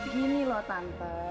begini loh tante